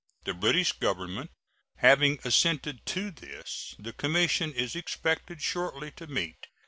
The British Government having assented to this, the commission is expected shortly to meet.